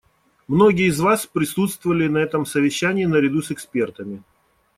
Многие из вас присутствовали на этом совещании наряду с экспертами.